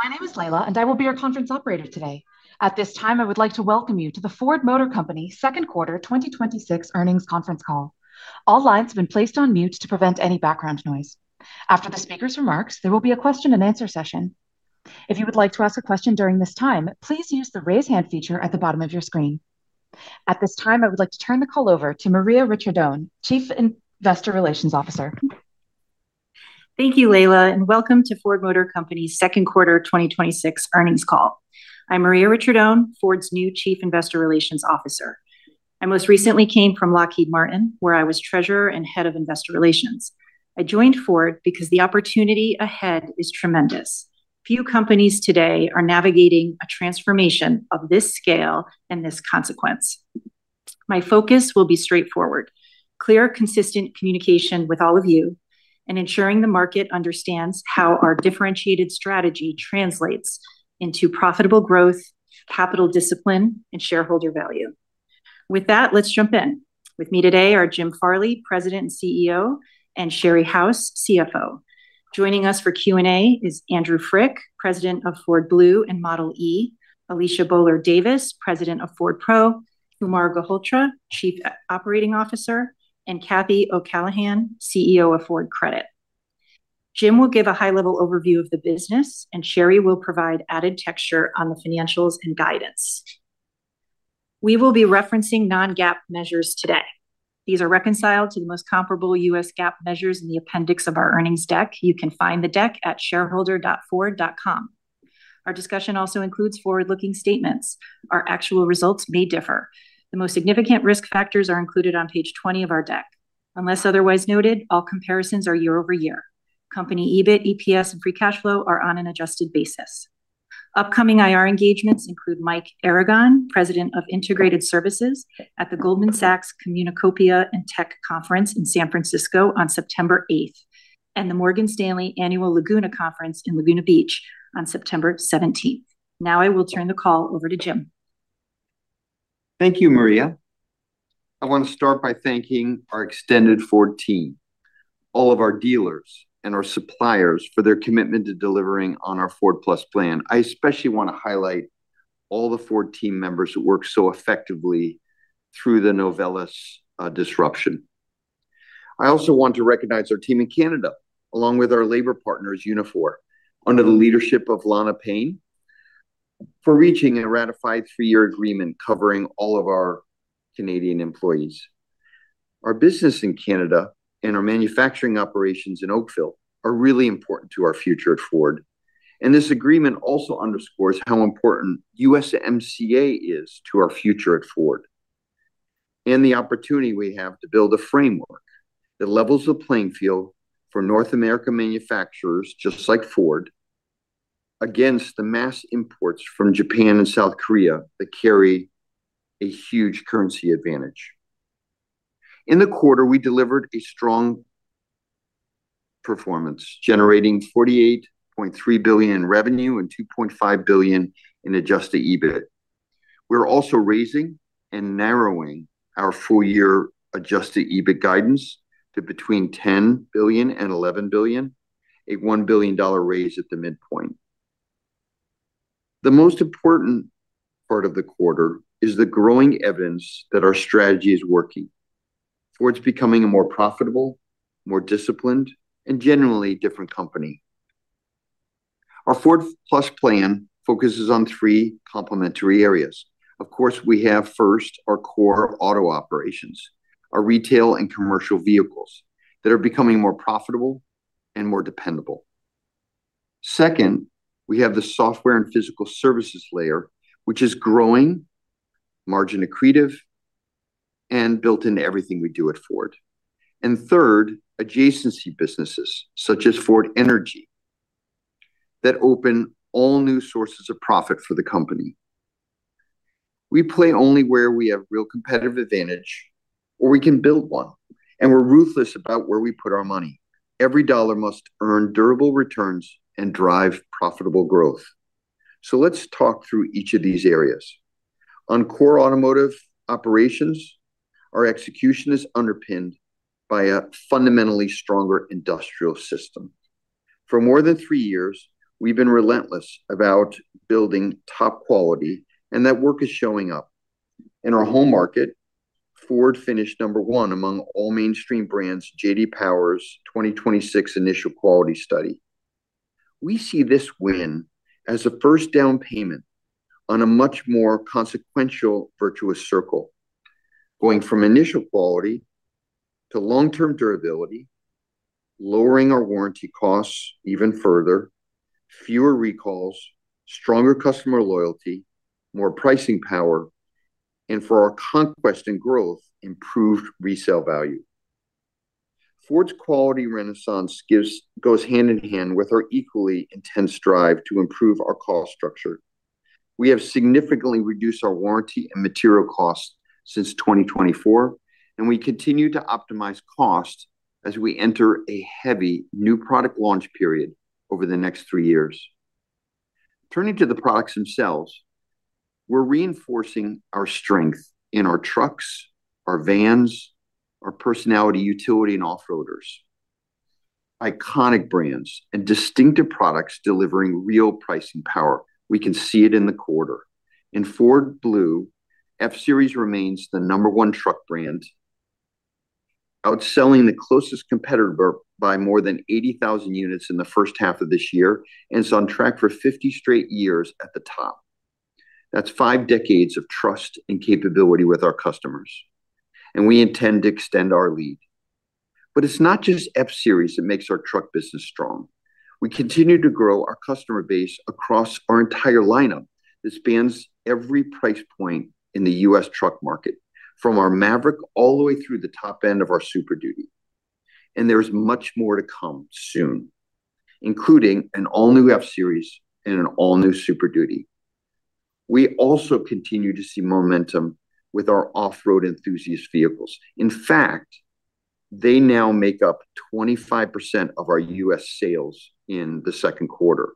Good afternoon. My name is Layla, and I will be your conference operator today. At this time, I would like to welcome you to the Ford Motor Company second quarter 2026 earnings conference call. All lines have been placed on mute to prevent any background noise. After the speaker's remarks, there will be a question and answer session. If you would like to ask a question during this time, please use the raise hand feature at the bottom of your screen. At this time, I would like to turn the call over to Maria Ricciardone, Chief Investor Relations Officer. Thank you, Layla, and welcome to Ford Motor Company second quarter 2026 earnings call. I am Maria Ricciardone, Ford's new Chief Investor Relations Officer. I most recently came from Lockheed Martin, where I was Treasurer and Head of Investor Relations. I joined Ford because the opportunity ahead is tremendous. Few companies today are navigating a transformation of this scale and this consequence. My focus will be straightforward, clear, consistent communication with all of you, and ensuring the market understands how our differentiated strategy translates into profitable growth, capital discipline, and shareholder value. With that, let's jump in. With me today are Jim Farley, President and CEO, and Sherry House, CFO. Joining us for Q and A is Andrew Frick, President of Ford Blue and Model e, Alicia Boler Davis, President of Ford Pro, Kumar Galhotra, Chief Operating Officer, and Cathy O'Callaghan, CEO of Ford Credit. Jim will give a high-level overview of the business, and Sherry will provide added texture on the financials and guidance. We will be referencing non-GAAP measures today. These are reconciled to the most comparable U.S. GAAP measures in the appendix of our earnings deck. You can find the deck at shareholder.ford.com. Our discussion also includes forward-looking statements. Our actual results may differ. The most significant risk factors are included on page 20 of our deck. Unless otherwise noted, all comparisons are year-over-year. Company EBIT, EPS, and free cash flow are on an adjusted basis. Upcoming IR engagements include Mike Aragon, President of Integrated Services, at the Goldman Sachs Communacopia + Technology Conference in San Francisco on September 8th, and the Morgan Stanley Annual Laguna Conference in Laguna Beach on September 17th. I will turn the call over to Jim. Thank you, Maria. I want to start by thanking our extended Ford team, all of our dealers, and our suppliers for their commitment to delivering on our Ford+ plan. I especially want to highlight all the Ford team members who worked so effectively through the Novelis disruption. I also want to recognize our team in Canada, along with our labor partners, Unifor, under the leadership of Lana Payne, for reaching a ratified three-year agreement covering all of our Canadian employees. Our business in Canada and our manufacturing operations in Oakville are really important to our future at Ford. This agreement also underscores how important USMCA is to our future at Ford, and the opportunity we have to build a framework that levels the playing field for North American manufacturers, just like Ford, against the mass imports from Japan and South Korea that carry a huge currency advantage. In the quarter, we delivered a strong performance, generating $48.3 billion in revenue and $2.5 billion in adjusted EBIT. We're also raising and narrowing our full-year adjusted EBIT guidance to between $10 billion and $11 billion, a $1 billion raise at the midpoint. The most important part of the quarter is the growing evidence that our strategy is working. Ford's becoming a more profitable, more disciplined, and generally different company. Our Ford+ plan focuses on three complementary areas. Of course, we have first our core auto operations, our retail and commercial vehicles that are becoming more profitable and more dependable. Second, we have the software and physical services layer, which is growing, margin accretive, and built into everything we do at Ford. Third, adjacency businesses, such as Ford Energy, that open all new sources of profit for the company. We play only where we have real competitive advantage, or we can build one, and we're ruthless about where we put our money. Every dollar must earn durable returns and drive profitable growth. Let's talk through each of these areas. On core automotive operations, our execution is underpinned by a fundamentally stronger industrial system. For more than three years, we've been relentless about building top quality, and that work is showing up. In our home market, Ford finished number one among all mainstream brands, J.D. Power's 2026 Initial Quality Study. We see this win as a first down payment on a much more consequential virtuous circle. Going from initial quality to long-term durability, lowering our warranty costs even further, fewer recalls, stronger customer loyalty, more pricing power, and for our conquest and growth, improved resale value. Ford's quality renaissance goes hand-in-hand with our equally intense drive to improve our cost structure. We have significantly reduced our warranty and material costs since 2024, and we continue to optimize costs as we enter a heavy new product launch period over the next three years. Turning to the products themselves, we're reinforcing our strength in our trucks, our vans, our personality utility and off-roaders. Iconic brands and distinctive products delivering real pricing power. We can see it in the quarter. In Ford Blue, F-Series remains the number one truck brand, outselling the closest competitor by more than 80,000 units in the first half of this year, and it's on track for 50 straight years at the top. That's five decades of trust and capability with our customers, and we intend to extend our lead. It's not just F-Series that makes our truck business strong. We continue to grow our customer base across our entire lineup that spans every price point in the U.S. truck market, from our Maverick all the way through the top end of our Super Duty. There is much more to come soon, including an all-new F-Series and an all-new Super Duty. We also continue to see momentum with our off-road enthusiast vehicles. In fact, they now make up 25% of our U.S. sales in the second quarter.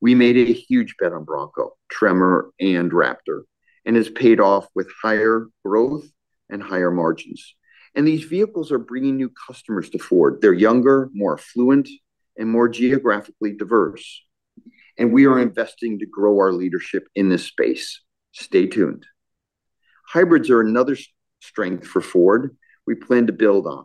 We made a huge bet on Bronco, Tremor, and Raptor, and it's paid off with higher growth and higher margins. These vehicles are bringing new customers to Ford. They're younger, more affluent, and more geographically diverse. We are investing to grow our leadership in this space. Stay tuned. Hybrids are another strength for Ford we plan to build on.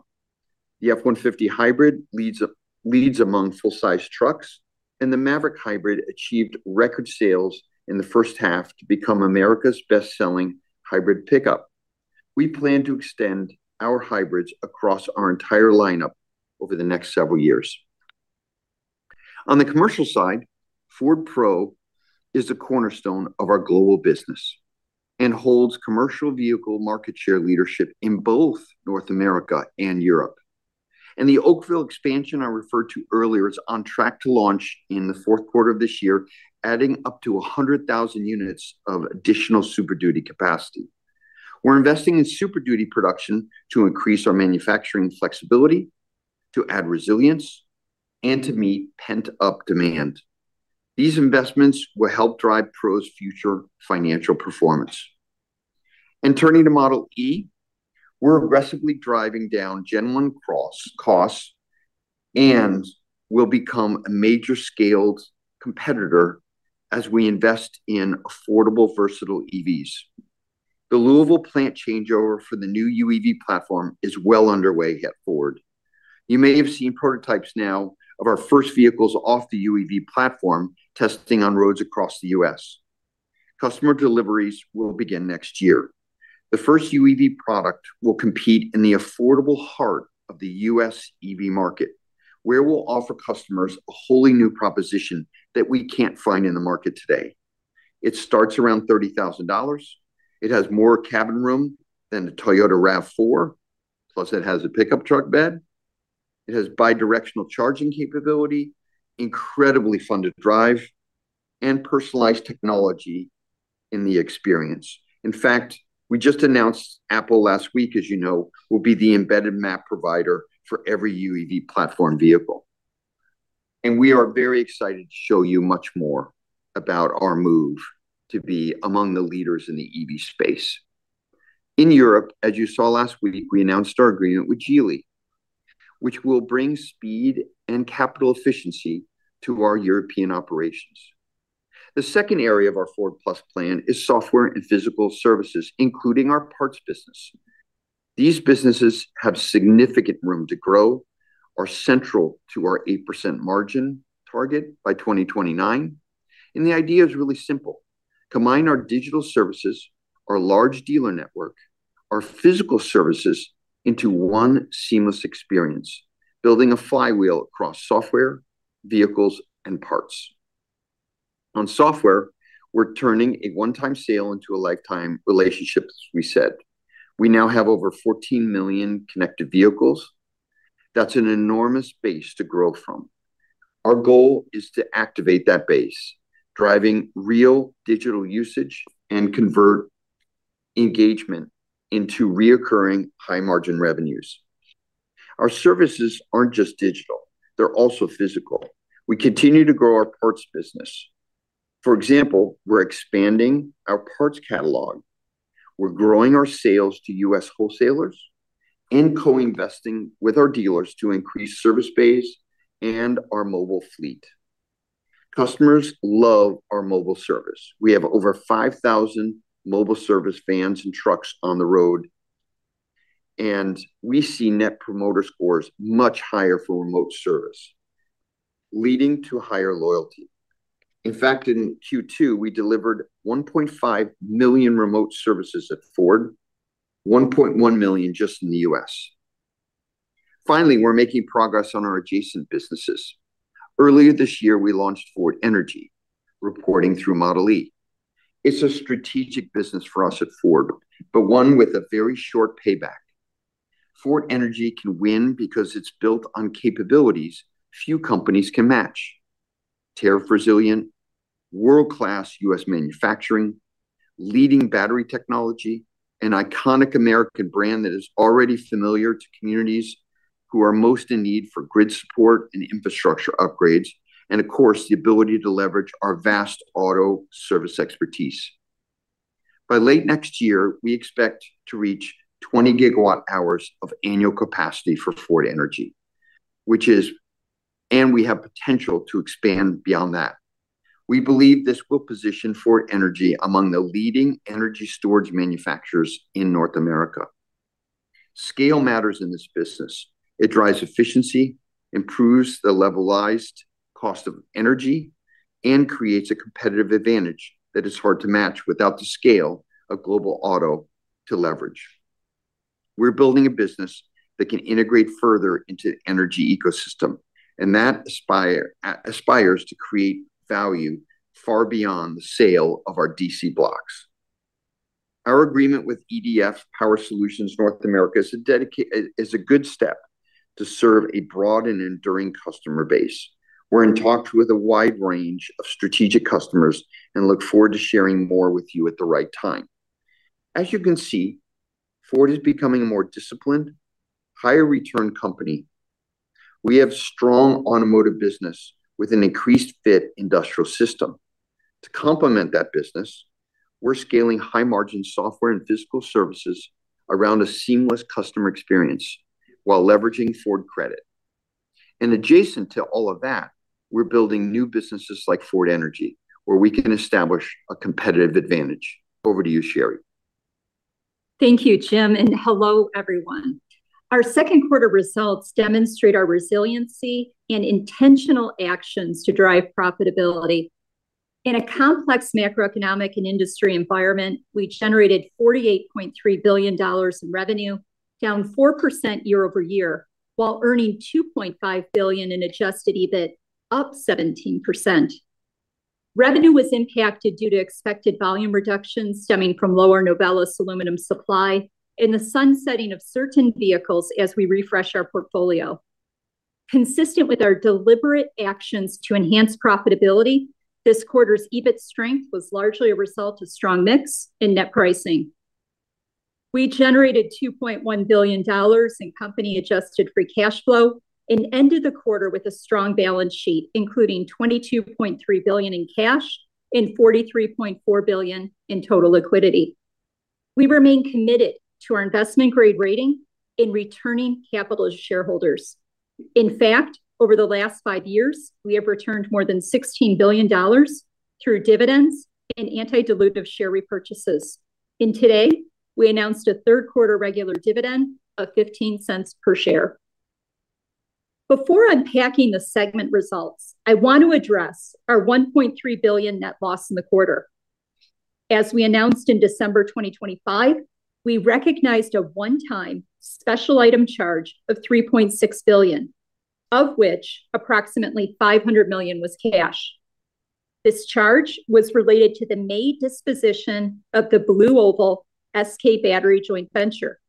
The F-150 Hybrid leads among full-size trucks, and the Maverick Hybrid achieved record sales in the first half to become America's best-selling hybrid pickup. We plan to extend our hybrids across our entire lineup over the next several years. On the commercial side, Ford Pro is the cornerstone of our global business and holds commercial vehicle market share leadership in both North America and Europe. The Oakville expansion I referred to earlier is on track to launch in the fourth quarter of this year, adding up to 100,000 units of additional Super Duty capacity. We're investing in Super Duty production to increase our manufacturing flexibility, to add resilience, and to meet pent-up demand. These investments will help drive Pro's future financial performance. Turning to Model e, we're aggressively driving down Gen-1 costs and will become a major scaled competitor as we invest in affordable, versatile EVs. The Louisville plant changeover for the new UEV platform is well underway at Ford. You may have seen prototypes now of our first vehicles off the UEV platform, testing on roads across the U.S.. Customer deliveries will begin next year. The first UEV product will compete in the affordable heart of the U.S. EV market, where we'll offer customers a wholly new proposition that we can't find in the market today. It starts around $30,000. It has more cabin room than a Toyota RAV4, plus it has a pickup truck bed. It has bi-directional charging capability, incredibly fun to drive, and personalized technology in the experience. In fact, we just announced Apple last week, as you know, will be the embedded map provider for every UEV platform vehicle. We are very excited to show you much more about our move to be among the leaders in the EV space. In Europe, as you saw last week, we announced our agreement with Geely, which will bring speed and capital efficiency to our European operations. The second area of our Ford+ plan is software and physical services, including our parts business. These businesses have significant room to grow, are central to our 8% margin target by 2029, and the idea is really simple. Combine our digital services, our large dealer network, our physical services into one seamless experience, building a flywheel across software, vehicles, and parts. On software, we're turning a one-time sale into a lifetime relationship, as we said. We now have over 14 million connected vehicles. That's an enormous base to grow from. Our goal is to activate that base, driving real digital usage, and convert engagement into reoccurring high-margin revenues. Our services aren't just digital, they're also physical. We continue to grow our parts business. For example, we're expanding our parts catalog. We're growing our sales to U.S. wholesalers and co-investing with our dealers to increase service base and our mobile fleet. Customers love our mobile service. We have over 5,000 mobile service vans and trucks on the road, and we see net promoter scores much higher for remote service, leading to higher loyalty. In fact, in Q2, we delivered 1.5 million remote services at Ford, 1.1 million just in the U.S.. Finally, we're making progress on our adjacent businesses. Earlier this year, we launched Ford Energy, reporting through Model e. It's a strategic business for us at Ford, but one with a very short payback. Ford Energy can win because it's built on capabilities few companies can match. Tariff resilient, world-class U.S. manufacturing, leading battery technology, an iconic American brand that is already familiar to communities who are most in need for grid support and infrastructure upgrades, and of course, the ability to leverage our vast auto service expertise. By late next year, we expect to reach 20 GWh of annual capacity for Ford Energy, and we have potential to expand beyond that. We believe this will position Ford Energy among the leading energy storage manufacturers in North America. Scale matters in this business. It drives efficiency, improves the levelized cost of energy, and creates a competitive advantage that is hard to match without the scale of global auto to leverage. We're building a business that can integrate further into the energy ecosystem, and that aspires to create value far beyond the sale of our DC blocks. Our agreement with EDF power solutions North America is a good step to serve a broad and enduring customer base. We're in talks with a wide range of strategic customers and look forward to sharing more with you at the right time. As you can see, Ford is becoming a more disciplined, higher return company. We have strong automotive business with an increased fit industrial system. To complement that business, we're scaling high-margin software and physical services around a seamless customer experience while leveraging Ford Credit. Adjacent to all of that, we're building new businesses like Ford Energy, where we can establish a competitive advantage. Over to you, Sherry. Thank you, Jim, and hello, everyone. Our second quarter results demonstrate our resiliency and intentional actions to drive profitability. In a complex macroeconomic and industry environment, we generated $48.3 billion in revenue, down 4% year-over-year, while earning $2.5 billion in adjusted EBIT, up 17%. Revenue was impacted due to expected volume reductions stemming from lower Novelis aluminum supply and the sunsetting of certain vehicles as we refresh our portfolio. Consistent with our deliberate actions to enhance profitability, this quarter's EBIT strength was largely a result of strong mix and net pricing. We generated $2.1 billion in company-adjusted free cash flow and ended the quarter with a strong balance sheet, including $22.3 billion in cash and $43.4 billion in total liquidity. We remain committed to our investment-grade rating in returning capital to shareholders. In fact, over the last five years, we have returned more than $16 billion through dividends and anti-dilutive share repurchases. Today, we announced a third quarter regular dividend of $0.15 per share. Before unpacking the segment results, I want to address our $1.3 billion net loss in the quarter. As we announced in December 2025, we recognized a one-time special item charge of $3.6 billion, of which approximately $500 million was cash. This charge was related to the May disposition of the BlueOval SK Battery joint venture.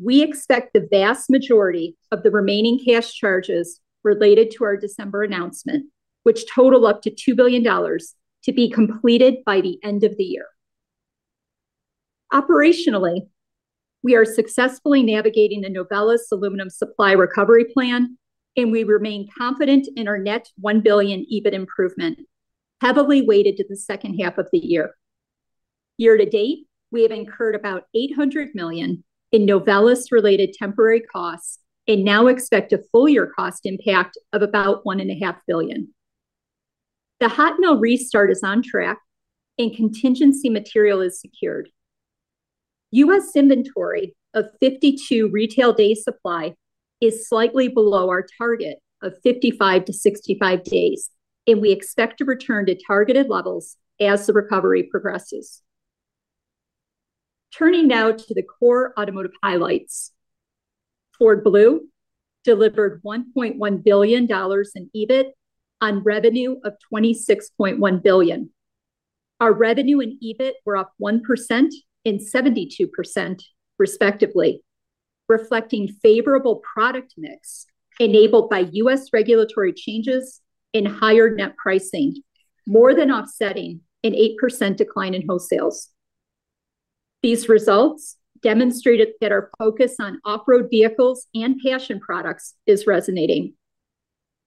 We expect the vast majority of the remaining cash charges related to our December announcement, which total up to $2 billion, to be completed by the end of the year. Operationally, we are successfully navigating the Novelis aluminum supply recovery plan, and we remain confident in our net $1 billion EBIT improvement, heavily weighted to the second half of the year. Year-to-date, we have incurred about $800 million in Novelis-related temporary costs and now expect a full-year cost impact of about $1.5 billion. The hot mill restart is on track, and contingency material is secured. U.S. inventory of 52 retail day supply is slightly below our target of 55-65 days, and we expect to return to targeted levels as the recovery progresses. Turning now to the core automotive highlights. Ford Blue delivered $1.1 billion in EBIT on revenue of $26.1 billion. Our revenue and EBIT were up 1% and 72% respectively, reflecting favorable product mix enabled by U.S. regulatory changes and higher net pricing, more than offsetting an 8% decline in wholesales. These results demonstrated that our focus on off-road vehicles and passion products is resonating.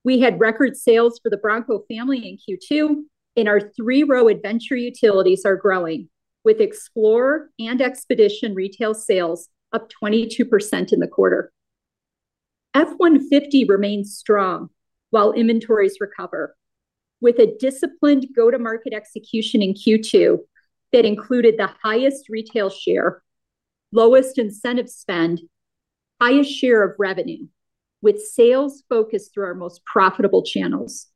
We had record sales for the Bronco family in Q2, our three-row adventure utilities are growing, with Explorer and Expedition retail sales up 22% in the quarter. F-150 remains strong while inventories recover with a disciplined go-to-market execution in Q2 that included the highest retail share, lowest incentive spend, highest share of revenue with sales focused through our most profitable channels.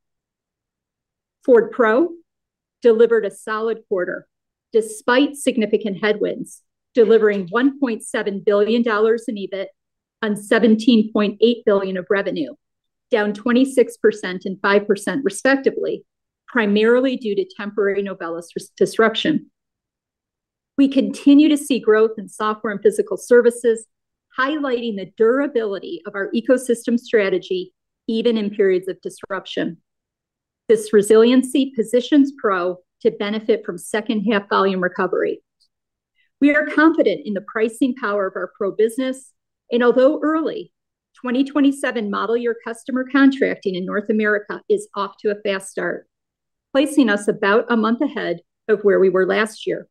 Ford Pro delivered a solid quarter despite significant headwinds, delivering $1.7 billion in EBIT on $17.8 billion of revenue, down 26% and 5% respectively, primarily due to temporary Novelis disruption. We continue to see growth in software and physical services, highlighting the durability of our ecosystem strategy, even in periods of disruption. This resiliency positions Ford Pro to benefit from second half volume recovery. We are confident in the pricing power of our Ford Pro business, although early, 2027 model year customer contracting in North America is off to a fast start, placing us about a month ahead of where we were last year.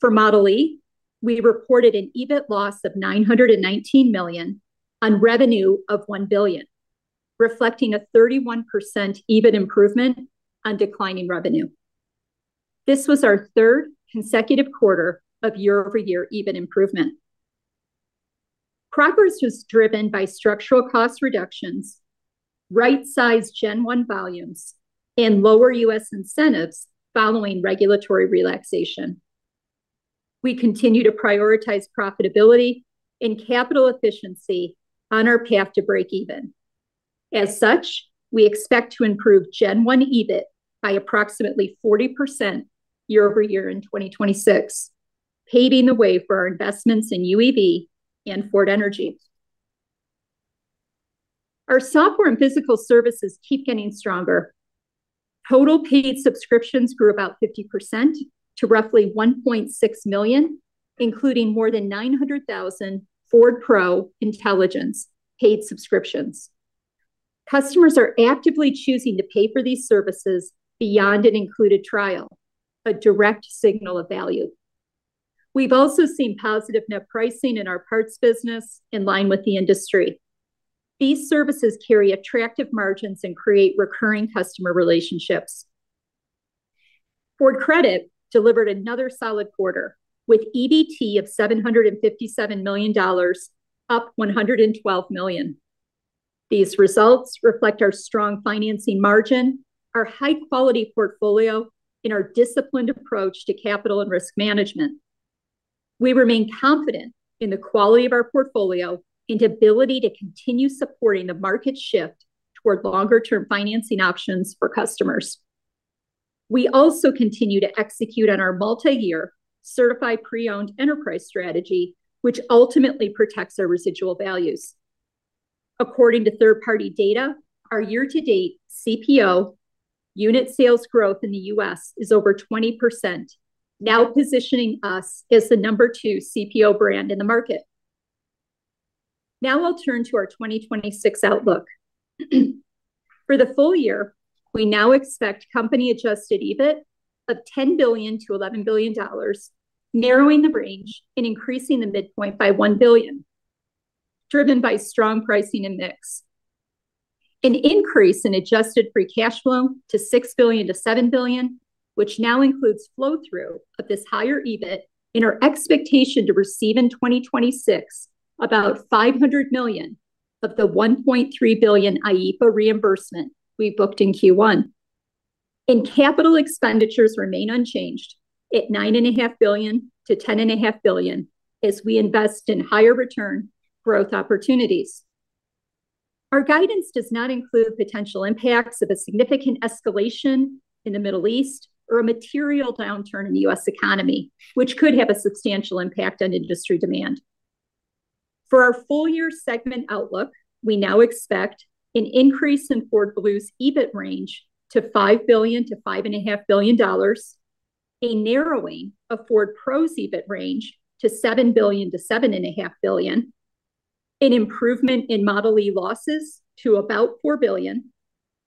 For Model e, we reported an EBIT loss of $919 million on revenue of $1 billion, reflecting a 31% EBIT improvement on declining revenue. This was our third consecutive quarter of year-over-year EBIT improvement. Progress was driven by structural cost reductions, right-sized Gen-1 volumes, and lower U.S. incentives following regulatory relaxation. We continue to prioritize profitability and capital efficiency on our path to break even. As such, we expect to improve Gen-1 EBIT by approximately 40% year-over-year in 2026, paving the way for our investments in UEV and Ford Energy. Our software and physical services keep getting stronger. Total paid subscriptions grew about 50% to roughly 1.6 million, including more than 900,000 Ford Pro Intelligence paid subscriptions. Customers are actively choosing to pay for these services beyond an included trial, a direct signal of value. We've also seen positive net pricing in our parts business in line with the industry. These services carry attractive margins and create recurring customer relationships. Ford Credit delivered another solid quarter with EBT of $757 million, up $112 million. These results reflect our strong financing margin, our high-quality portfolio, and our disciplined approach to capital and risk management. We remain confident in the quality of our portfolio and ability to continue supporting the market shift toward longer-term financing options for customers. We also continue to execute on our multi-year certified pre-owned enterprise strategy, which ultimately protects our residual values. According to third-party data, our year-to-date CPO unit sales growth in the U.S. is over 20%, now positioning us as the number two CPO brand in the market. Now I'll turn to our 2026 outlook. For the full-year, we now expect company-adjusted EBIT of $10 billion-$11 billion, narrowing the range and increasing the midpoint by $1 billion, driven by strong pricing and mix. An increase in adjusted free cash flow to $6 billion-$7 billion, which now includes flow-through of this higher EBIT and our expectation to receive in 2026 about $500 million of the $1.3 billion IEEPA reimbursement we booked in Q1. Capital expenditures remain unchanged at $9.5 billion-$10.5 billion as we invest in higher return growth opportunities. Our guidance does not include potential impacts of a significant escalation in the Middle East or a material downturn in the U.S. economy, which could have a substantial impact on industry demand. For our full-year segment outlook, we now expect an increase in Ford Blue's EBIT range to $5 billion-$5.5 billion, a narrowing of Ford Pro's EBIT range to $7 billion-$7.5 billion, an improvement in Model e losses to about $4 billion.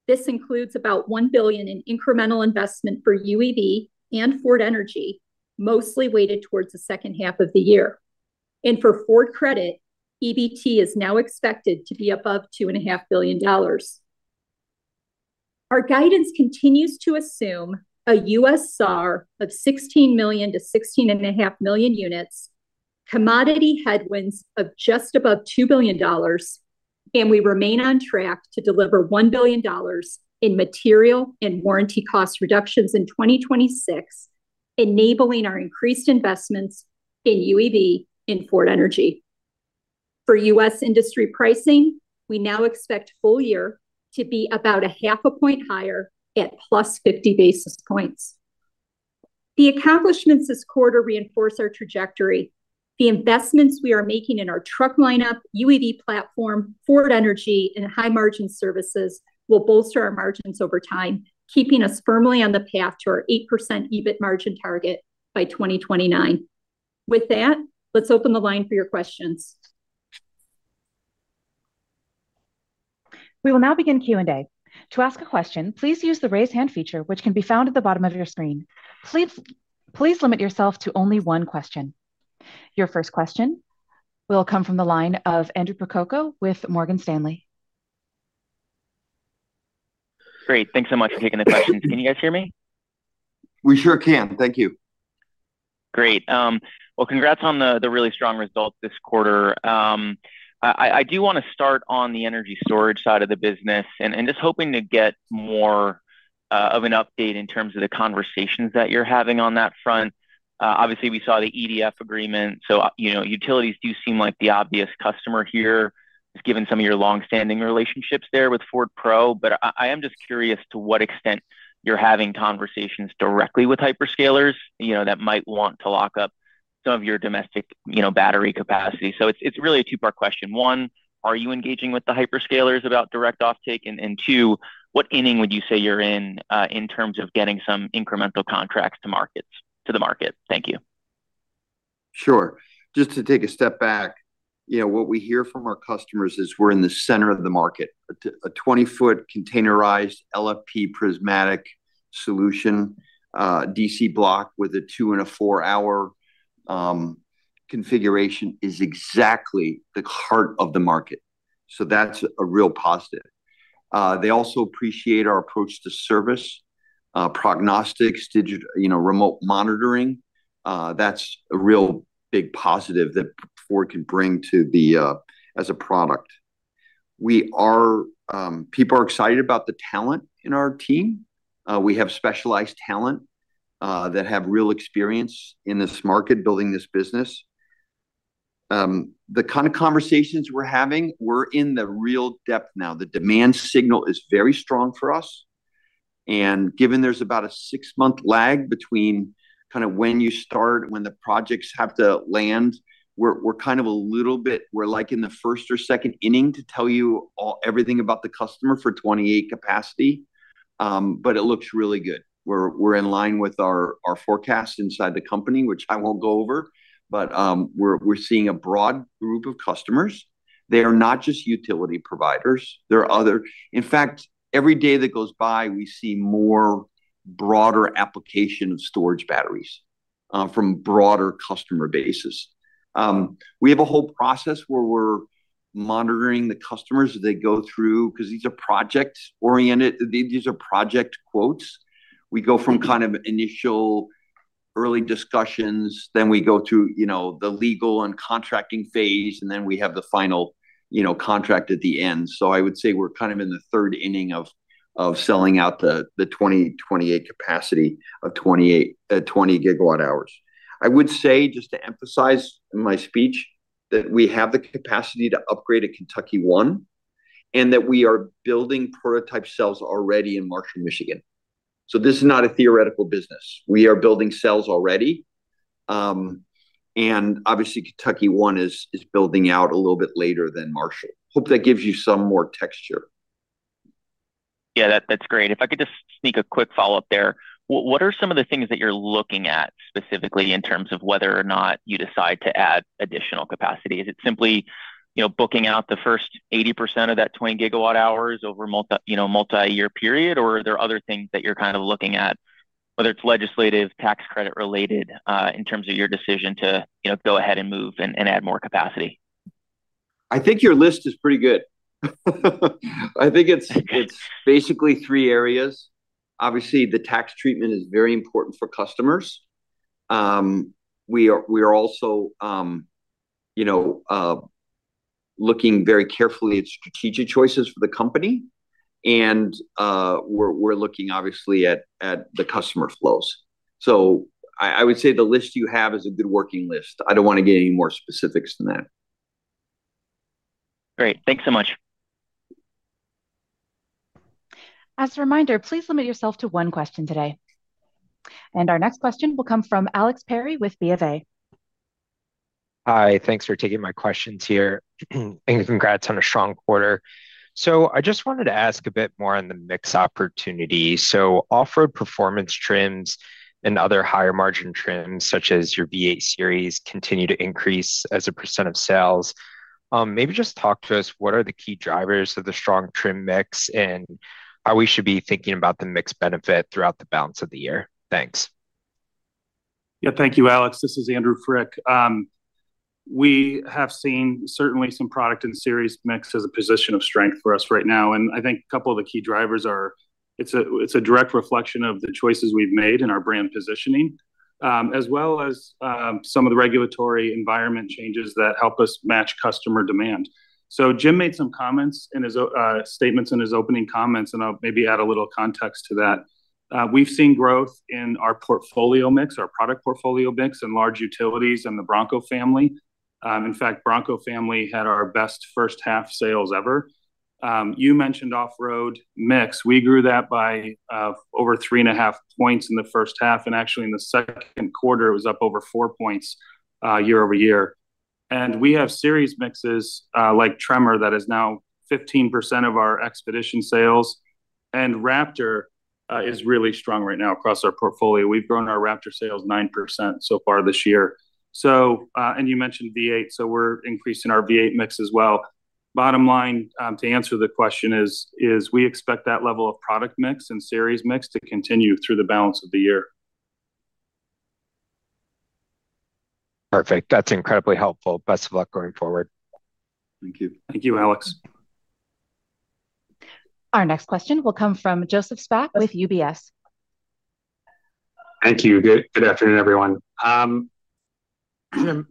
This includes about $1 billion in incremental investment for UEV and Ford Energy, mostly weighted towards the second half of the year. For Ford Credit, EBT is now expected to be above $2.5 billion. Our guidance continues to assume a U.S. SAAR of 16 million-16.5 million units, commodity headwinds of just above $2 billion, and we remain on track to deliver $1 billion in material and warranty cost reductions in 2026, enabling our increased investments in UEV and Ford Energy. For U.S. industry pricing, we now expect full-year to be about a half a point higher at plus 50 basis points. The accomplishments this quarter reinforce our trajectory. The investments we are making in our truck lineup, UEV platform, Ford Energy, and high-margin services will bolster our margins over time, keeping us firmly on the path to our 8% EBIT margin target by 2029. With that, let's open the line for your questions. We will now begin Q and A. To ask a question, please use the raise hand feature, which can be found at the bottom of your screen. Please limit yourself to only one question. Your first question will come from the line of Andrew Percoco with Morgan Stanley. Great. Thanks so much for taking the question. Can you guys hear me? We sure can. Thank you. Great. Congrats on the really strong results this quarter. I do want to start on the energy storage side of the business, hoping to get more of an update in terms of the conversations that you're having on that front. Obviously, we saw the EDF agreement, utilities do seem like the obvious customer here, just given some of your longstanding relationships there with Ford Pro. I am just curious to what extent you're having conversations directly with hyperscalers that might want to lock up some of your domestic battery capacity. It's really a two-part question. One, are you engaging with the hyperscalers about direct offtake? Two, what inning would you say you're in terms of getting some incremental contracts to the market? Thank you. Sure. Just to take a step back, what we hear from our customers is we're in the center of the market. A 20 ft containerized LFP prismatic solution, DC block with a two and a four-hour configuration is exactly the heart of the market. That's a real positive. They also appreciate our approach to service, prognostics, remote monitoring. That's a real big positive that Ford can bring as a product. People are excited about the talent in our team. We have specialized talent that have real experience in this market, building this business. The kind of conversations we're having, we're in the real depth now. The demand signal is very strong for us, given there's about a six-month lag between when you start, when the projects have to land, we're in the first or second inning to tell you everything about the customer for 2028 capacity, it looks really good. We're in line with our forecast inside the company, which I won't go over, we're seeing a broad group of customers. They are not just utility providers. In fact, every day that goes by, we see more broader application of storage batteries from broader customer bases. We have a whole process where we're monitoring the customers as they go through, because these are project quotes. We go from initial early discussions, we go to the legal and contracting phase, we have the final contract at the end. I would say we're in the third inning of selling out the 2028 capacity of 20 GWh. I would say, just to emphasize in my speech, that we have the capacity to upgrade at Kentucky 1, that we are building prototype cells already in Marshall, Michigan. This is not a theoretical business. We are building cells already. Obviously Kentucky 1 is building out a little bit later than Marshall. Hope that gives you some more texture. Yeah, that's great. If I could just sneak a quick follow-up there. What are some of the things that you're looking at specifically in terms of whether or not you decide to add additional capacity? Is it simply booking out the first 80% of that 20 GWh over a multi-year period, are there other things that you're looking at, whether it's legislative, tax credit related, in terms of your decision to go ahead and move and add more capacity? I think your list is pretty good. I think it's basically three areas. Obviously, the tax treatment is very important for customers. We are also looking very carefully at strategic choices for the company, we're looking obviously at the customer flows. I would say the list you have is a good working list. I don't want to get any more specifics than that. Great. Thanks so much. As a reminder, please limit yourself to one question today. Our next question will come from Alex Perry with BofA. Hi. Thanks for taking my questions here, and congrats on a strong quarter. I just wanted to ask a bit more on the mix opportunity. Off-road performance trims and other higher margin trims, such as your V8 series, continue to increase as a percent of sales. Maybe just talk to us, what are the key drivers of the strong trim mix and how we should be thinking about the mix benefit throughout the balance of the year? Thanks. Yeah. Thank you, Alex. This is Andrew Frick. We have seen certainly some product and series mix as a position of strength for us right now, and I think a couple of the key drivers are, it's a direct reflection of the choices we've made in our brand positioning, as well as some of the regulatory environment changes that help us match customer demand. Jim made some statements in his opening comments, and I'll maybe add a little context to that. We've seen growth in our portfolio mix, our product portfolio mix in large utilities in the Bronco family. In fact, Bronco family had our best first half sales ever. You mentioned off-road mix. We grew that by over 3.5 points in the first half, and actually in the second quarter, it was up over four points year-over-year. We have series mixes, like Tremor, that is now 15% of our Expedition sales, and Raptor is really strong right now across our portfolio. We've grown our Raptor sales 9% so far this year. You mentioned V8, so we're increasing our V8 mix as well. Bottom line, to answer the question is, we expect that level of product mix and series mix to continue through the balance of the year. Perfect. That's incredibly helpful. Best of luck going forward. Thank you. Thank you, Alex. Our next question will come from Joseph Spak with UBS. Thank you. Good afternoon, everyone. Jim,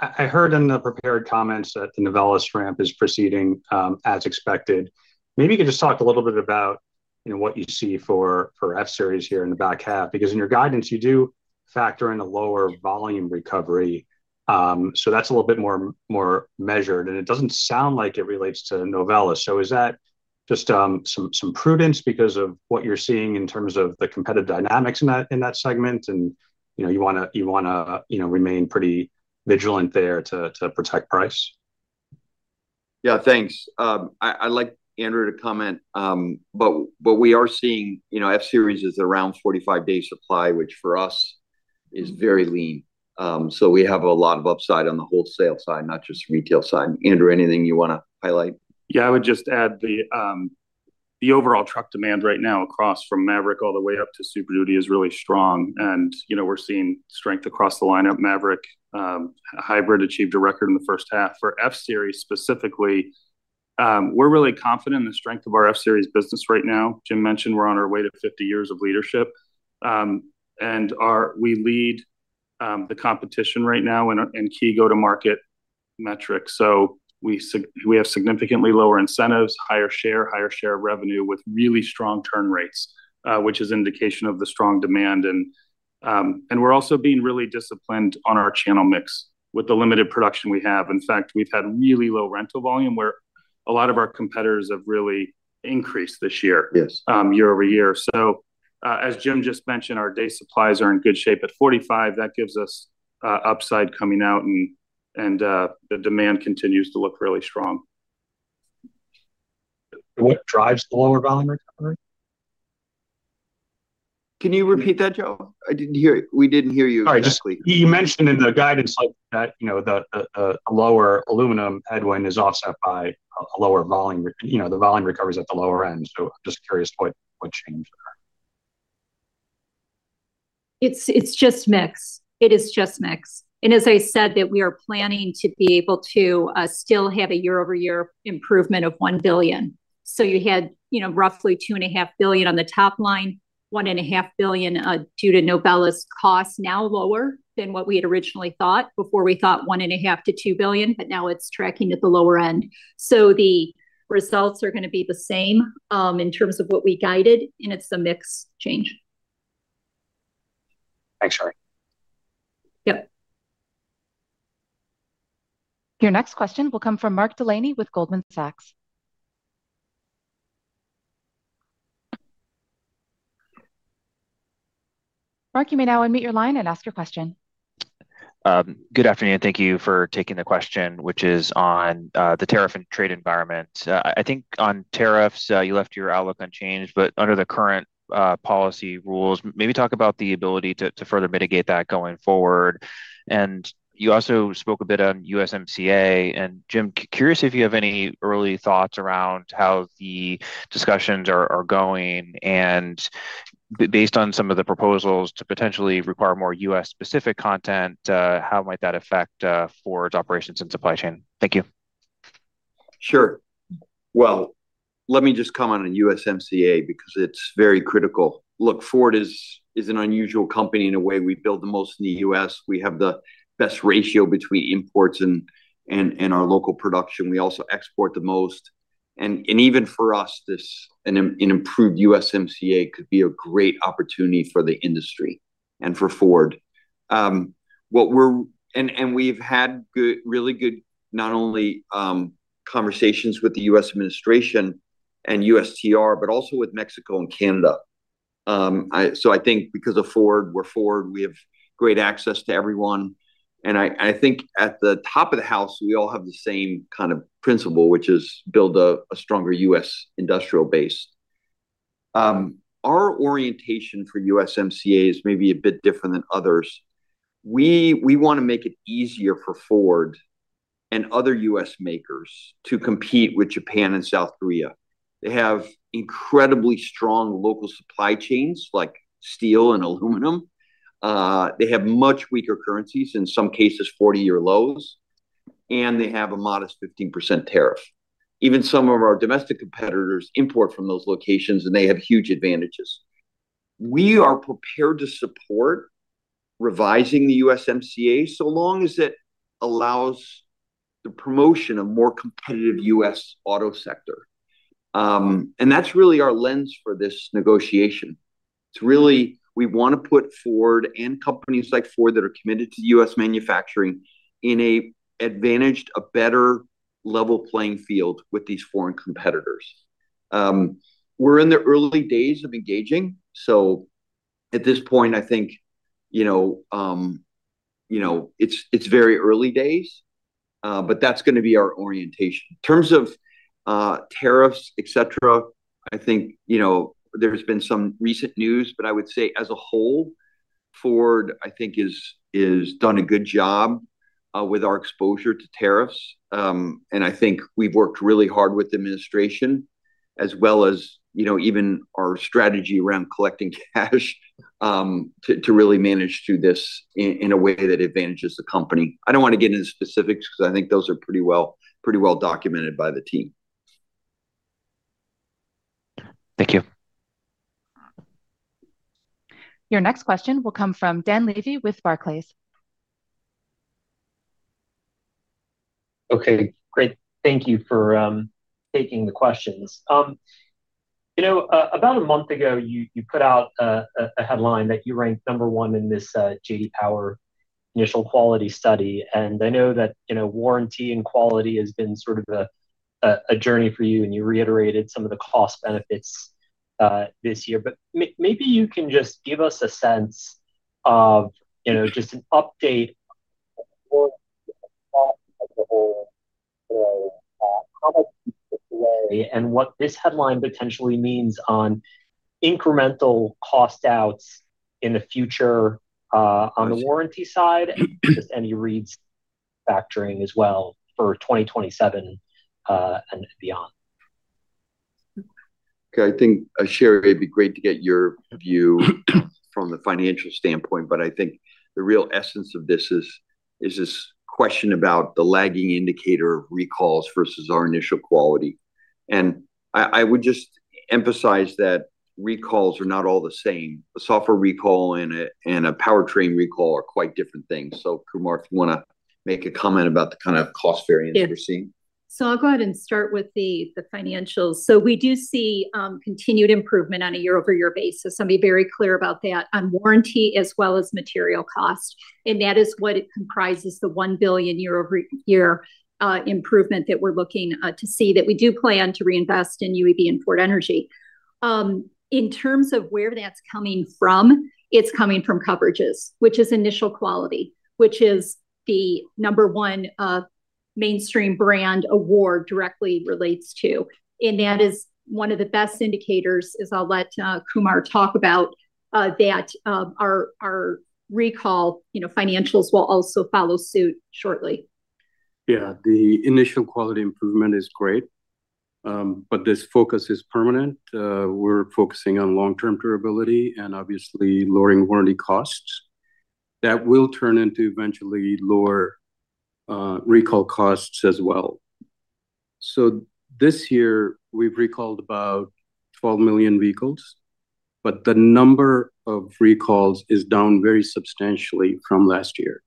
I heard in the prepared comments that the Novelis ramp is proceeding as expected. Maybe you could just talk a little bit about what you see for F-Series here in the back half, because in your guidance, you do factor in a lower volume recovery. That's a little bit more measured, and it doesn't sound like it relates to Novelis. Is that just some prudence because of what you're seeing in terms of the competitive dynamics in that segment and you want to remain pretty vigilant there to protect price? Yeah, thanks. I'd like Andrew to comment, but we are seeing F-Series is around 45-day supply, which for us is very lean. We have a lot of upside on the wholesale side, not just retail side. Andrew, anything you want to highlight? Yeah, I would just add the overall truck demand right now across from Maverick all the way up to Super Duty is really strong, and we're seeing strength across the lineup. Maverick Hybrid achieved a record in the first half. For F-Series specifically, we're really confident in the strength of our F-Series business right now. Jim mentioned we're on our way to 50 years of leadership, and we lead the competition right now in key go-to-market metrics. We have significantly lower incentives, higher share, higher share of revenue with really strong turn rates, which is indication of the strong demand, and we're also being really disciplined on our channel mix with the limited production we have. In fact, we've had really low rental volume where a lot of our competitors have really increased this year- Yes. Year-over-year. As Jim just mentioned, our day supplies are in good shape. At 45, that gives us upside coming out, and the demand continues to look really strong. What drives the lower volume recovery? Can you repeat that, Joe? I didn't hear. We didn't hear you just clearly. Sorry. You mentioned in the guidance that a lower aluminum headwind is offset by a lower volume, the volume recovers at the lower end. I'm just curious what changed there. It's just mix. It is just mix. As I said that we are planning to be able to still have a year-over-year improvement of $1 billion. You had roughly $2.5 billion on the top line, $1.5 billion due to Novelis cost, now lower than what we had originally thought. Before we thought $1.5 billion-$2 billion, now it's tracking at the lower end. The results are going to be the same, in terms of what we guided. It's a mix change. Thanks, Sherry. Yep. Your next question will come from Mark Delaney with Goldman Sachs. Mark, you may now unmute your line and ask your question. Good afternoon. Thank you for taking the question, which is on the tariff and trade environment. On tariffs, you left your outlook unchanged, but under the current policy rules, maybe talk about the ability to further mitigate that going forward. You also spoke a bit on USMCA. Jim, curious if you have any early thoughts around how the discussions are going, and based on some of the proposals to potentially require more U.S.-specific content, how might that affect Ford's operations and supply chain? Thank you. Sure. Well, let me just comment on USMCA because it's very critical. Look, Ford is an unusual company in a way. We build the most in the U.S. We have the best ratio between imports and our local production. We also export the most, and even for us, an improved USMCA could be a great opportunity for the industry and for Ford. We've had really good not only conversations with the U.S. administration and USTR, but also with Mexico and Canada. I think because of Ford, we're Ford, we have great access to everyone, and I think at the top of the house, we all have the same kind of principle, which is build a stronger U.S. industrial base. Our orientation for USMCA is maybe a bit different than others. We want to make it easier for Ford and other U.S. makers to compete with Japan and South Korea. They have incredibly strong local supply chains like steel and aluminum. They have much weaker currencies, in some cases 40-year lows, and they have a modest 15% tariff. Even some of our domestic competitors import from those locations, and they have huge advantages. We are prepared to support revising the USMCA, long as it allows the promotion of more competitive U.S. auto sector, and that's really our lens for this negotiation. That's really we want to put Ford and companies like Ford that are committed to U.S. manufacturing in a better level playing field with these foreign competitors. We're in the early days of engaging, at this point, I think it's very early days, but that's going to be our orientation. In terms of tariffs, et cetera, I think there has been some recent news, I would say as a whole, Ford, I think has done a good job with our exposure to tariffs. I think we've worked really hard with the administration as well as even our strategy around collecting cash to really manage through this in a way that advantages the company. I don't want to get into specifics because I think those are pretty well documented by the team. Thank you. Your next question will come from Dan Levy with Barclays. Okay, great. Thank you for taking the questions. About a month ago, you put out a headline that you ranked number one in this J.D. Power Initial Quality Study, I know that warranty and quality has been sort of a journey for you, and you reiterated some of the cost benefits this year. Maybe you can just give us a sense of just an update and what this headline potentially means on incremental cost outs in the future, on the warranty side. Just any reads factoring as well for 2027, and beyond. Okay, I think, Sherry, it'd be great to get your view from the financial standpoint. I think the real essence of this is this question about the lagging indicator of recalls versus our Initial Quality, and I would just emphasize that recalls are not all the same. A software recall and a powertrain recall are quite different things. Kumar, if you want to make a comment about the kind of cost variance that you're seeing. I'll go ahead and start with the financials. We do see continued improvement on a year-over-year basis, I'll be very clear about that, on warranty as well as material cost, and that is what comprises the $1 billion year-over-year improvement that we're looking to see, that we do plan to reinvest in UEV and Ford Energy. In terms of where that's coming from, it's coming from coverages, which is initial quality, which is the number-one mainstream brand award directly relates to, and that is one of the best indicators is I'll let Kumar talk about that. Our recall financials will also follow suit shortly. The initial quality improvement is great, this focus is permanent. We're focusing on long-term durability and obviously lowering warranty costs. That will turn into eventually lower recall costs as well. This year we've recalled about 12 million vehicles, the number of recalls is down very substantially from last year.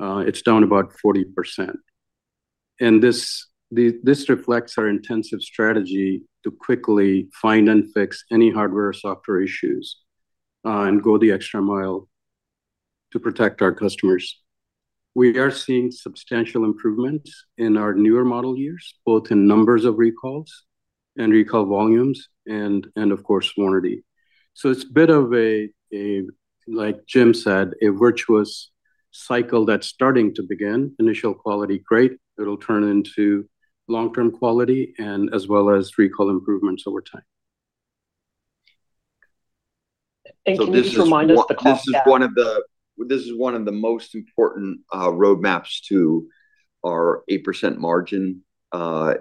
It's down about 40%. This reflects our intensive strategy to quickly find and fix any hardware or software issues, and go the extra mile to protect our customers. We are seeing substantial improvement in our newer model years, both in numbers of recalls and recall volumes and of course warranty. It's a bit of a, like Jim said, a virtuous cycle that's starting to begin. Initial quality great. It'll turn into long-term quality and as well as recall improvements over time. Can you just remind us the cost gap? This is one of the most important roadmaps to our 8% margin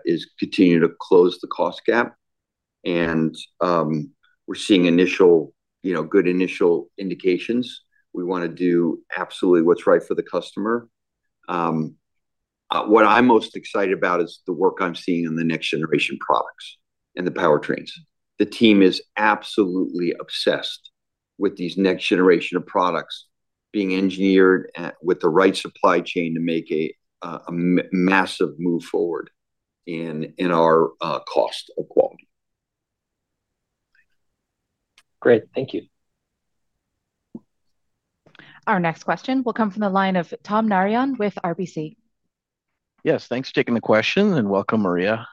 is continuing to close the cost gap. We're seeing good initial indications. We want to do absolutely what's right for the customer. What I'm most excited about is the work I'm seeing in the next-generation products and the powertrains. The team is absolutely obsessed with these next generation of products being engineered with the right supply chain to make a massive move forward in our cost of quality. Great. Thank you. Our next question will come from the line of Tom Narayan with RBC. Yes, thanks for taking the question, and welcome Maria.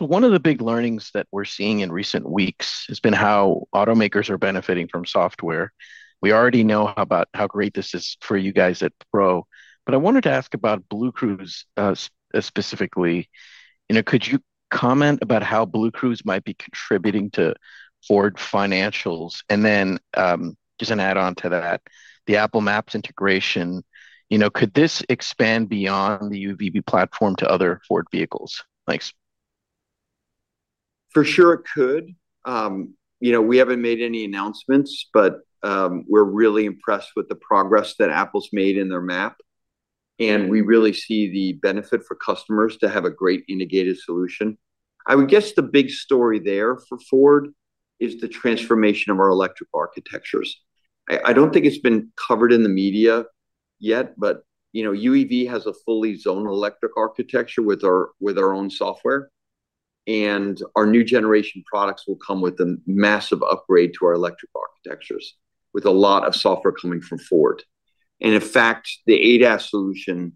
One of the big learnings that we're seeing in recent weeks has been how automakers are benefiting from software. We already know about how great this is for you guys at Pro, but I wanted to ask about BlueCruise, specifically. Could you comment about how BlueCruise might be contributing to Ford financials? Just an add-on to that, the Apple Maps integration, could this expand beyond the UEV platform to other Ford vehicles? Thanks. For sure it could. We haven't made any announcements, but we're really impressed with the progress that Apple's made in their map, and we really see the benefit for customers to have a great integrated solution. I would guess the big story there for Ford is the transformation of our electric architectures. I don't think it's been covered in the media yet, but UEV has a fully zone electric architecture with our own software, and our new-generation products will come with a massive upgrade to our electric architectures, with a lot of software coming from Ford. In fact, the ADAS solution,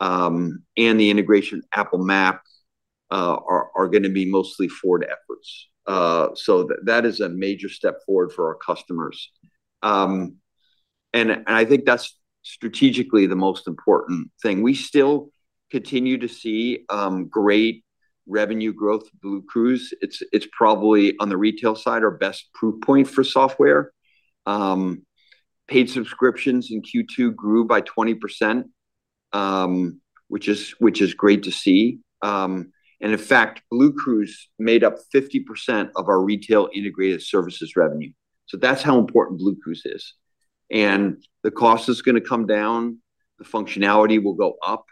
and the integration Apple Maps, are going to be mostly Ford efforts. That is a major step forward for our customers. I think that's strategically the most important thing. We still continue to see great revenue growth on BlueCruise. It's probably, on the retail side, our best proof point for software. Paid subscriptions in Q2 grew by 20%, which is great to see. In fact, BlueCruise made up 50% of our retail Integrated Services revenue. That's how important BlueCruise is. The cost is going to come down, the functionality will go up.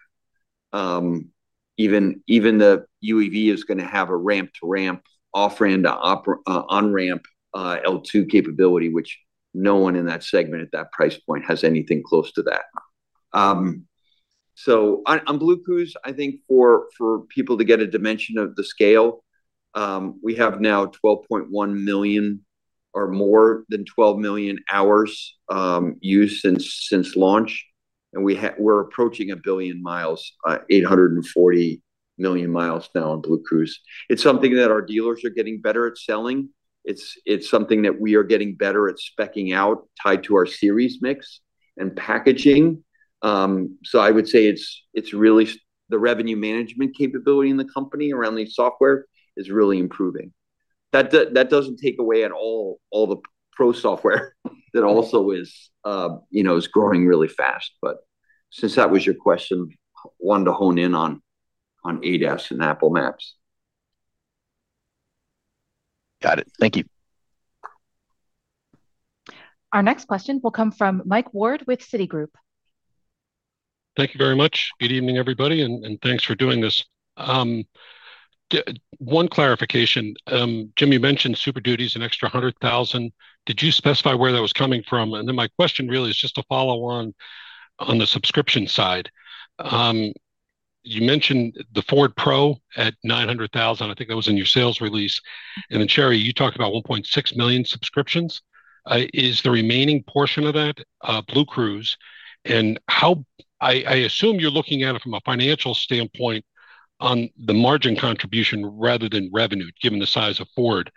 Even the UEV is going to have a ramp-to-ramp, off-ramp to on-ramp, L2 capability, which no one in that segment at that price point has anything close to that. On BlueCruise, I think for people to get a dimension of the scale, we have now 12.1 million or more than 12 million hours use since launch. We're approaching a billion miles, 840 million miles now on BlueCruise. It's something that our dealers are getting better at selling. It's something that we are getting better at speccing out, tied to our series mix, and packaging. I would say the revenue management capability in the company around the software is really improving. That doesn't take away at all all the Ford Pro software that also is growing really fast. Since that was your question, wanted to hone in on ADAS and Apple Maps. Got it. Thank you. Our next question will come from Mike Ward with Citigroup. Thank you very much. Good evening, everybody, and thanks for doing this. One clarification. Jim, you mentioned Super Duty is an extra 100,000. Did you specify where that was coming from? My question really is just a follow-on on the subscription side. You mentioned the Ford Pro at 900,000. I think that was in your sales release. Sherry, you talked about 1.6 million subscriptions. Is the remaining portion of that BlueCruise? I assume you're looking at it from a financial standpoint on the margin contribution rather than revenue, given the size of Ford.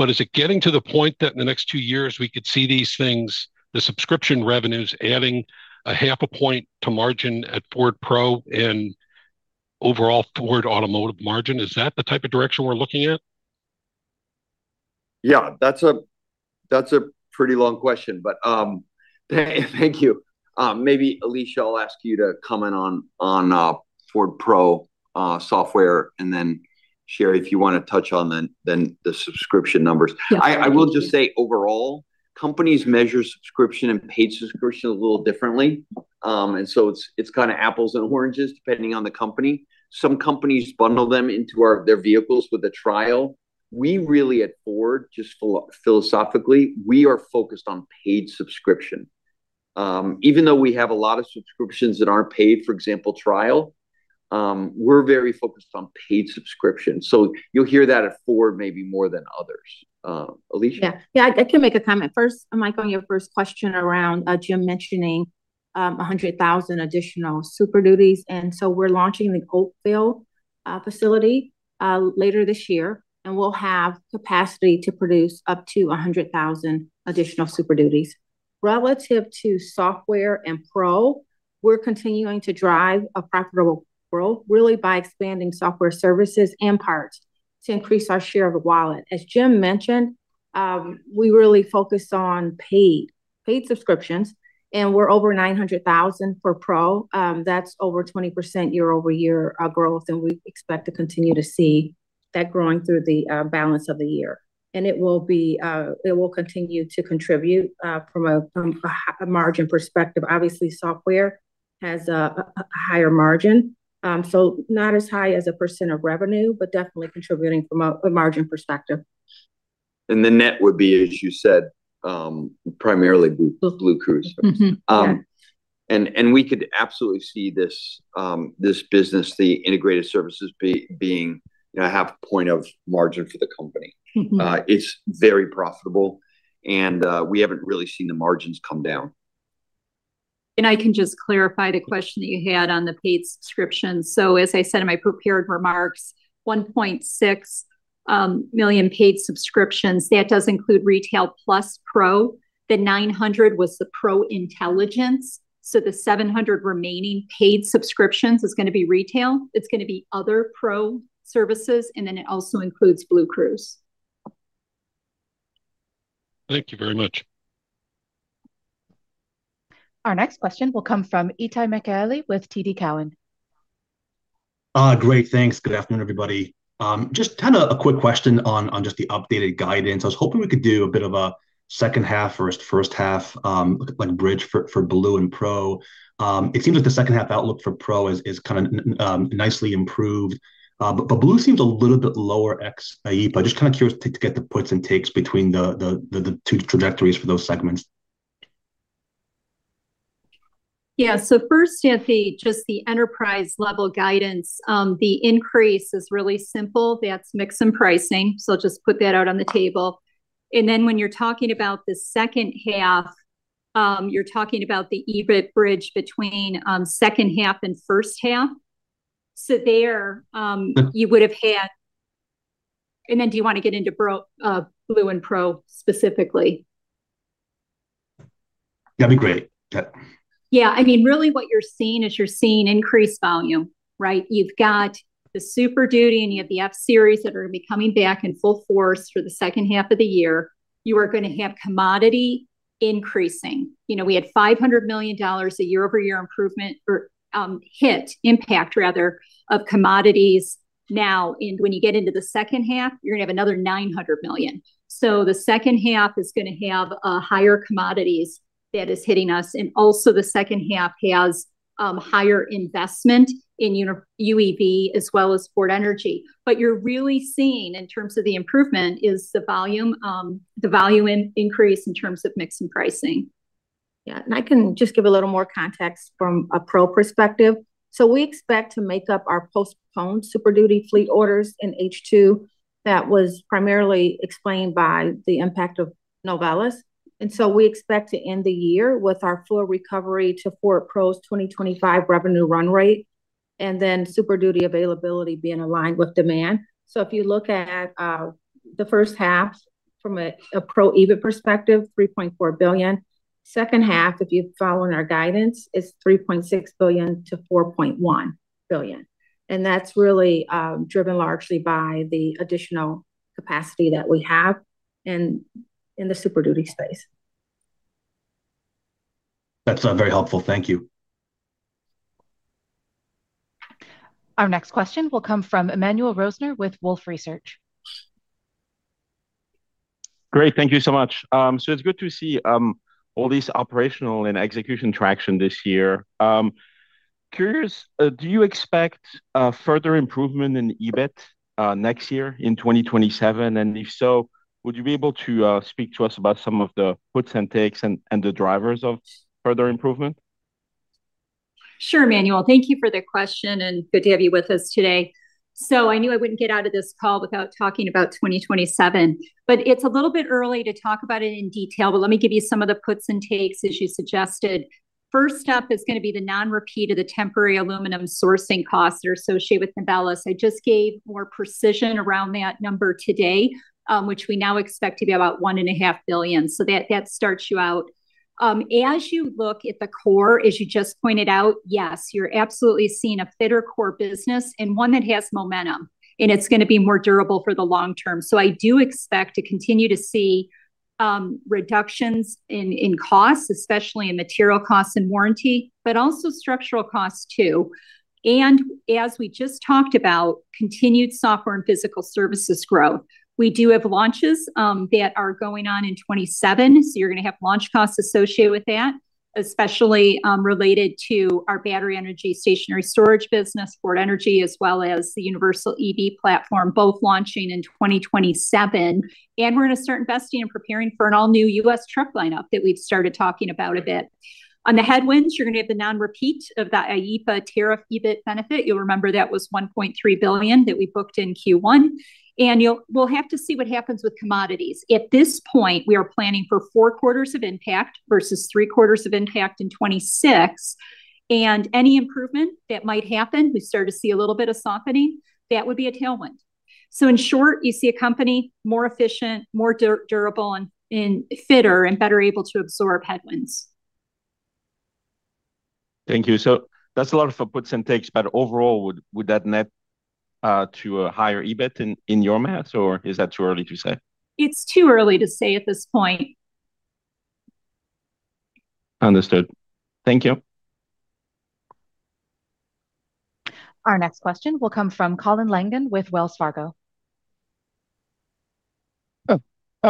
Is it getting to the point that in the next two years we could see these things, the subscription revenues, adding a half a point to margin at Ford Pro and overall Ford automotive margin? Is that the type of direction we're looking at? Yeah, that's a pretty long question, but thank you. Maybe Alicia, I'll ask you to comment on Ford Pro software, and Sherry, if you want to touch on the subscription numbers. Yeah. I will just say overall, companies measure subscription and paid subscription a little differently. It's kind of apples and oranges, depending on the company. Some companies bundle them into their vehicles with a trial. We really at Ford, just philosophically, we are focused on paid subscription. Even though we have a lot of subscriptions that aren't paid, for example, trial, we're very focused on paid subscription. You'll hear that at Ford maybe more than others. Alicia? Yeah. I can make a comment first, Mike, on your first question around Jim mentioning 100,000 additional Super Duties. We're launching the Oakville facility later this year, and we'll have capacity to produce up to 100,000 additional Super Duties. Relative to software and Pro, we're continuing to drive a profitable growth, really by expanding software services and parts to increase our share of the wallet. As Jim mentioned, we really focus on paid subscriptions, and we're over 900,000 for Pro. That's over 20% year-over-year growth, and we expect to continue to see that growing through the balance of the year. It will continue to contribute from a margin perspective. Obviously, software has a higher margin. Not as high as a percent of revenue, but definitely contributing from a margin perspective. The net would be, as you said, primarily BlueCruise. Mm-hmm. Yeah. We could absolutely see this business, the Integrated Services, being a half point of margin for the company. It's very profitable, and we haven't really seen the margins come down. I can just clarify the question that you had on the paid subscriptions. As I said in my prepared remarks, 1.6 million paid subscriptions, that does include Retail plus Pro. The 900 was the Ford Pro Intelligence. The 700 remaining paid subscriptions is going to be Retail, it's going to be other Ford Pro services, and then it also includes BlueCruise. Thank you very much. Our next question will come from Itay Michaeli with TD Cowen. Great. Thanks. Good afternoon, everybody. Just a quick question on just the updated guidance. I was hoping we could do a bit of a second half versus first half bridge for Ford Blue and Ford Pro. It seems that the second half outlook for Ford Pro is nicely improved but Ford Blue seems a little bit lower ex IEEPA. Just kind of curious to get the puts and takes between the two trajectories for those segments. First, Itay, just the enterprise-level guidance, the increase is really simple. That's mix and pricing. I'll just put that out on the table. When you're talking about the second half, you're talking about the EBIT bridge between second half and first half? Yeah. Do you want to get into Ford Blue and Ford Pro specifically? That'd be great. Yeah. Yeah. Really what you're seeing is you're seeing increased volume, right? You've got the Super Duty, and you have the F-Series that are going to be coming back in full force for the second half of the year. You are going to have commodity increasing. We had $500 million a year-over-year improvement, or hit, impact rather, of commodities now. When you get into the second half, you're going to have another $900 million. The second half is going to have higher commodities that is hitting us, and also the second half has higher investment in UEV as well as Ford Energy. What you're really seeing in terms of the improvement is the volume increase in terms of mix and pricing. I can just give a little more context from a Ford Pro perspective. We expect to make up our postponed Super Duty fleet orders in H2. That was primarily explained by the impact of Novelis. We expect to end the year with our full recovery to Ford Pro's 2025 revenue run rate, then Super Duty availability being aligned with demand. If you look at the first half from a Ford Pro EBIT perspective, $3.4 billion. Second half, if you've followed our guidance, is $3.6 billion-$4.1 billion. That's really driven largely by the additional capacity that we have in the Super Duty space. That's very helpful. Thank you. Our next question will come from Emmanuel Rosner with Wolfe Research. Great. Thank you so much. It's good to see all this operational and execution traction this year. Curious, do you expect further improvement in EBIT next year in 2027? If so, would you be able to speak to us about some of the puts and takes and the drivers of further improvement? Sure, Emmanuel. Thank you for the question, good to have you with us today. I knew I wouldn't get out of this call without talking about 2027, but it's a little bit early to talk about it in detail. Let me give you some of the puts and takes as you suggested. First up is going to be the non-repeat of the temporary aluminum sourcing costs that are associated with Novelis. I just gave more precision around that number today, which we now expect to be about $1.5 billion. That starts you out. As you look at the core, as you just pointed out, yes, you're absolutely seeing a fitter core business and one that has momentum, and it's going to be more durable for the long term. I do expect to continue to see reductions in costs, especially in material costs and warranty, also structural costs too. As we just talked about, continued software and physical services growth. We do have launches that are going on in 2027, you're going to have launch costs associated with that, especially related to our battery energy stationary storage business, Ford Energy, as well as the Universal EV platform, both launching in 2027. We're going to start investing and preparing for an all-new U.S. truck lineup that we've started talking about a bit. On the headwinds, you're going to have the non-repeat of that IEEPA tariff EBIT benefit. You'll remember that was $1.3 billion that we booked in Q1, we'll have to see what happens with commodities. At this point, we are planning for four quarters of impact versus three quarters of impact in 2026. Any improvement that might happen, we start to see a little bit of softening, that would be a tailwind. In short, you see a company more efficient, more durable, and fitter, and better able to absorb headwinds. Thank you. That's a lot of puts and takes, but overall, would that net to a higher EBIT in your math, or is that too early to say? It's too early to say at this point. Understood. Thank you. Our next question will come from Colin Langan with Wells Fargo.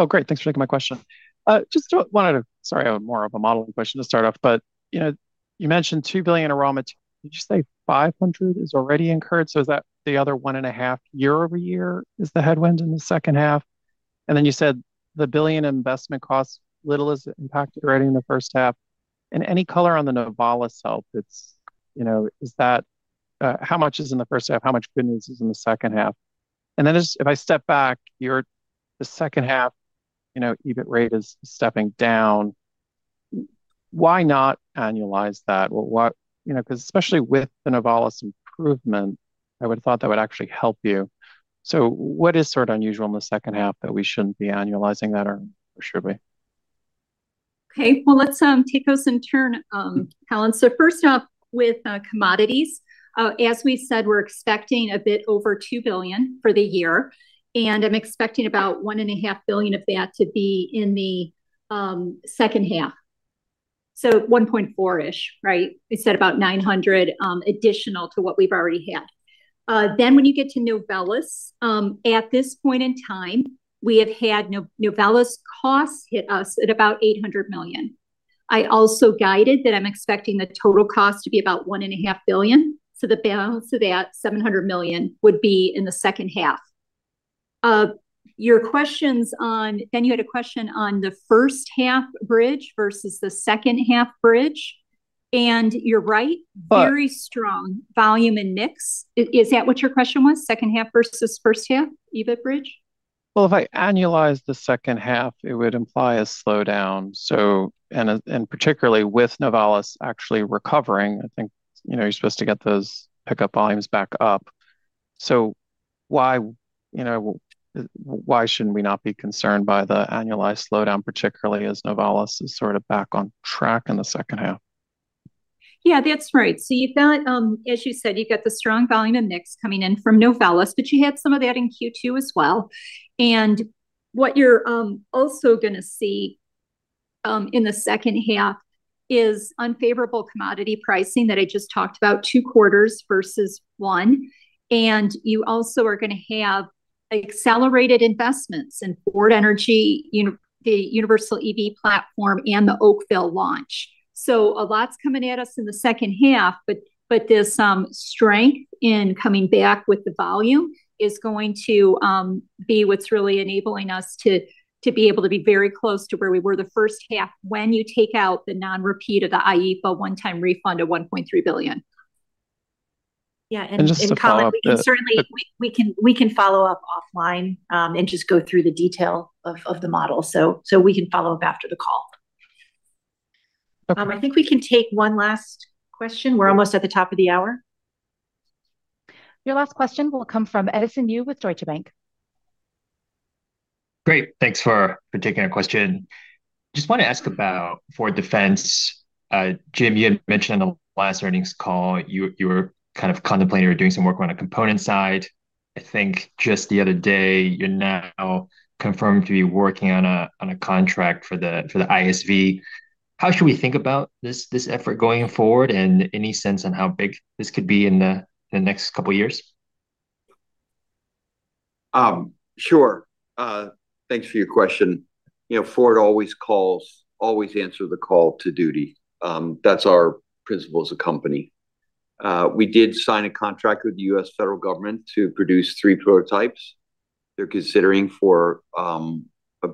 Great. Thanks for taking my question. Sorry, I have more of a modeling question to start off. You mentioned $2 billion in raw material. Did you say $500 million is already incurred? Is that the other $1.5 billion year-over-year is the headwind in the second half? You said the $1 billion investment costs little as it impacted right in the first half. Any color on the Novelis help, how much is in the first half, how much goodness is in the second half? If I step back, the second half EBIT rate is stepping down. Why not annualize that? Because especially with the Novelis improvement, I would have thought that would actually help you. What is sort of unusual in the second half that we shouldn't be annualizing that, or should we? Okay. Let's take those in turn, Colin. First up with commodities. As we said, we're expecting a bit over $2 billion for the year, I'm expecting about $1.5 billion of that to be in the second half. $1.4 billion-ish, right? We said about $900 million additional to what we've already had. When you get to Novelis, at this point in time, we have had Novelis costs hit us at about $800 million. I also guided that I'm expecting the total cost to be about $1.5 billion, so the balance of that $700 million would be in the second half. You had a question on the first half bridge versus the second half bridge. You're right, very strong volume and mix. Is that what your question was, second half versus first half EBIT bridge? If I annualize the second half, it would imply a slowdown. Particularly with Novelis actually recovering, I think you're supposed to get those pickup volumes back up. Why should we not be concerned by the annualized slowdown, particularly as Novelis is sort of back on track in the second half? Yeah, that's right. You've got, as you said, you've got the strong volume and mix coming in from Novelis. You had some of that in Q2 as well. What you're also going to see in the second half is unfavorable commodity pricing that I just talked about, two quarters versus one. You also are going to have accelerated investments in Ford Energy, the Universal EV platform, and the Oakville launch. A lot's coming at us in the second half. There's some strength in coming back with the volume is going to be what's really enabling us to be able to be very close to where we were the first half when you take out the non-repeat of the IEEPA one-time refund of $1.3 billion. Yeah. Colin, we can follow up offline, and just go through the detail of the model. We can follow up after the call. Okay. I think we can take one last question. We're almost at the top of the hour. Your last question will come from Edison Yu with Deutsche Bank. Great. Thanks for taking our question. Just want to ask about Ford Defense. Jim, you had mentioned on the last earnings call, you were kind of contemplating or doing some work on a component side. I think just the other day, you're now confirmed to be working on a contract for the ISV. How should we think about this effort going forward, and any sense on how big this could be in the next couple of years? Sure. Thanks for your question. Ford always answers the call to duty. That's our principle as a company. We did sign a contract with the U.S. federal government to produce three prototypes. They're considering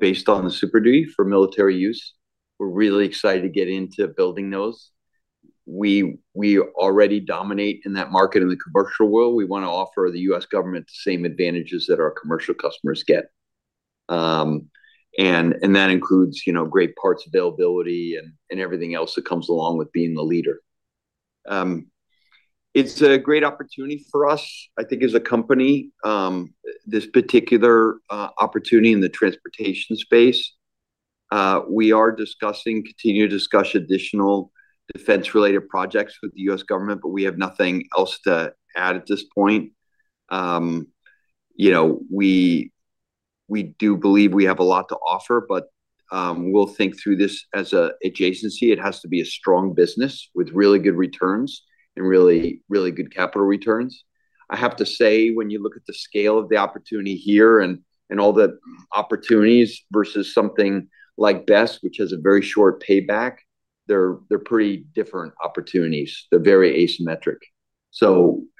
based on the Super Duty, for military use. We're really excited to get into building those. We already dominate in that market in the commercial world. We want to offer the U.S. government the same advantages that our commercial customers get. That includes great parts availability and everything else that comes along with being the leader. It's a great opportunity for us, I think as a company, this particular opportunity in the transportation space. We are continuing to discuss additional Defense-related projects with the U.S. government, we have nothing else to add at this point. We do believe we have a lot to offer, we'll think through this as an adjacency. It has to be a strong business with really good returns and really good capital returns. I have to say, when you look at the scale of the opportunity here and all the opportunities versus something like BESS, which has a very short payback, they're pretty different opportunities. They're very asymmetric.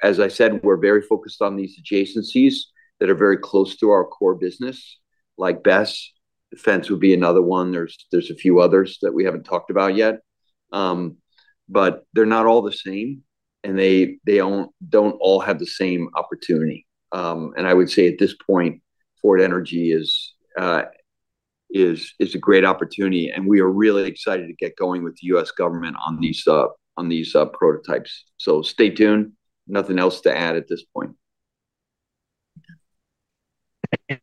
As I said, we're very focused on these adjacencies that are very close to our core business, like BESS. Defense would be another one. There's a few others that we haven't talked about yet. They're not all the same, and they don't all have the same opportunity. I would say at this point, Ford Energy is a great opportunity, and we are really excited to get going with the U.S. government on these prototypes. Stay tuned. Nothing else to add at this point. Thank you.